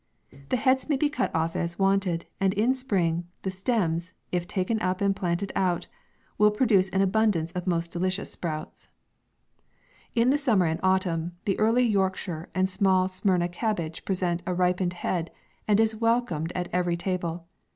The heads may be cut off as wanted, and in spring, the stems, if taken up and planted out, will produce an abundance of most delicious sprouts. G2 78 MAY* In the summer and autumn, the early Yorkshire and small Smyrna cabbage present a ripened head, and is welcomed at every table.